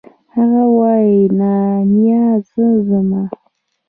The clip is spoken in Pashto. هغه وايي نانيه زه ځمه.